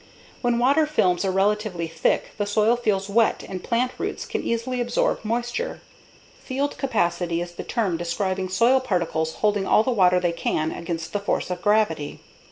When water films are relatively thick the soil feels wet and plant roots can easily absorb moisture. "Field capacity" is the term describing soil particles holding all the water they can against the force of gravity.